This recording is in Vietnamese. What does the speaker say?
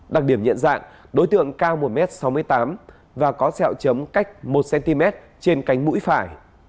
đặc điểm nhận dạng đối tượng cao một m sáu mươi tám và có sẹo chấm cách một cm trên cánh mũi phải